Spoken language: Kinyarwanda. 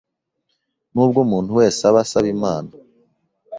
Nubwo umuntu wese aba asaba Imana